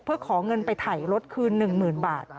เพื่อขอเงินไปไถรถคืนหนึ่งหมื่นบาท